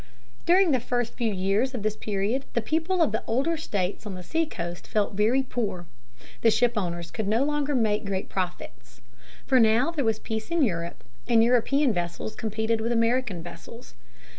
During the first few years of this period the people of the older states on the seacoast felt very poor. The shipowners could no longer make great profits. For there was now peace in Europe, and European vessels competed with American vessels.